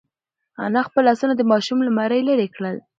انا خپل لاسونه د ماشوم له مرۍ لرې کړل.